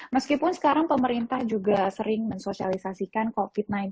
meskipun sekarang pemerintah juga sering mensosialisasikan covid sembilan belas